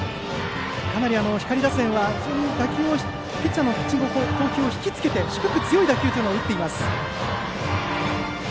かなり光打線は、ピッチャーの投球を引きつけて低く強い打球を打っています。